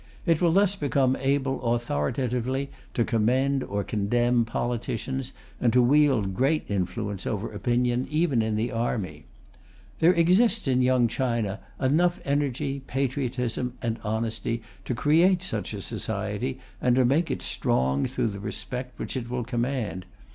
It will thus become able authoritatively to commend or condemn politicians and to wield great influence over opinion, even in the army. There exists in Young China enough energy, patriotism and honesty to create such a society and to make it strong through the respect which it will command.